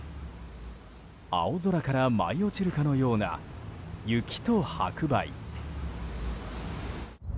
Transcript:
青空から舞い落ちるかのような雪と白梅。